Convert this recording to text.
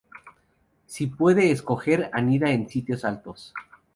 Si puede escoger anida en sitios altos.